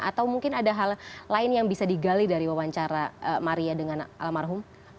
atau mungkin ada hal lain yang bisa digali dari wawancara maria dengan almarhum